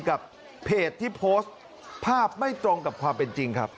กับเพจที่โพสต์ภาพไม่ตรงกับความเป็นจริงครับ